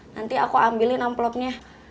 nanti aku ambilin amplopnya